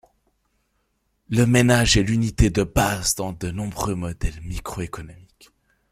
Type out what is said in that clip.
Le ménage est l'unité de base dans de nombreux modèles microéconomiques.